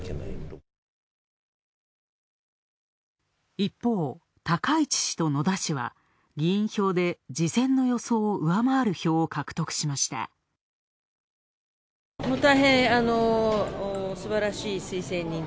一方、高市氏と野田氏は、議員票で事前の予想を上回る票を獲得しました。